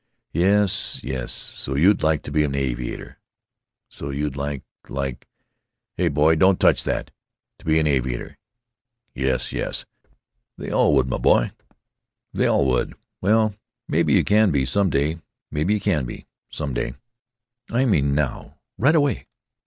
"Yes, yes. So you'd like to be an aviator. So you'd like—like——(Hey, boy, don't touch that!)——to be an aviator. Yes, yes. They all would, m' boy. They all would. Well, maybe you can be, some day. Maybe you can be.... Some day." "I mean now. Right away.